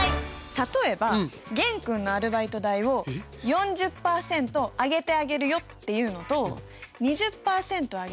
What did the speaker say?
例えば玄君のアルバイト代を４０％上げてあげるよっていうのと２０％上げてさらに